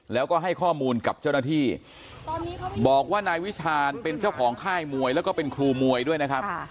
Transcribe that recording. แล้วก็ให้ข้อมูลกับเจ้าหน้าที่บอกว่านายวิชาญเป็นเจ้าของค่ายมวยแล้วก็เป็นครูมวยด้วยนะครับ